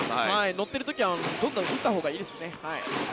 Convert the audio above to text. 乗っている時はどんどん打ったほうがいいですね。